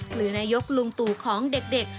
หรือนายกลุงตู่ของเด็ก